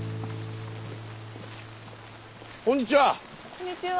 こんにちは。